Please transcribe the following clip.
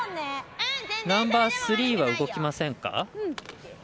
ナンバースリーは動きませんか？